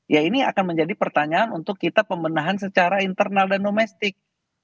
ya ini akan menjadi pertanyaan untuk kita pembenahan secara internal dan domestik